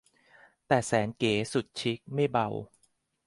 แต่แสนเก๋สุดชิคไม่เบา